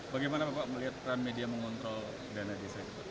bagaimana pak melihat peran media mengontrol dana desa